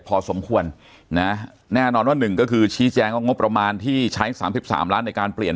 พอสมควรนะแน่นอนว่าหนึ่งก็คือชี้แจงว่างบประมาณที่ใช้๓๓ล้านในการเปลี่ยน